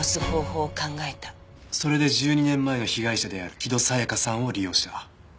それで１２年前の被害者である木戸沙也加さんを利用した。